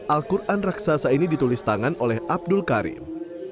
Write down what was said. al quran raksasa ini ditulis tangan oleh abdul karim